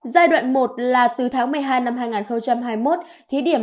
giai đoạn một là từ tháng một mươi hai năm hai nghìn hai mươi một